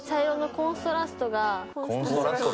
コンストラスト？